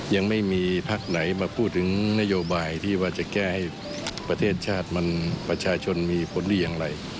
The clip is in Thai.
ยังไม่มีพักไหนมาพูดถึงนโยบายที่ว่าจะแก้ให้ประเทศชาติมันประชาชนมีผลดีอย่างไร